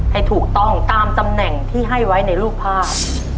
ให้ถูกต้องตามตำแหน่งที่ให้ไว้ในรูปภาพ